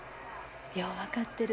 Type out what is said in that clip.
よう分かってる。